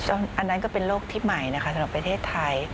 อันนั้นก็เป็นโรคที่ใหม่นะคะสำหรับประเทศไทย